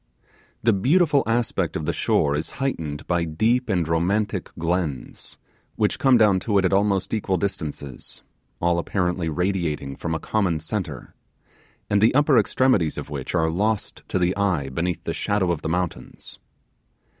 The beautiful aspect of the shore is heightened by deep and romantic glens, which come down to it at almost equal distances, all apparently radiating from a common centre, and the upper extremities of which are lost to the eye beneath the shadow of the mountains.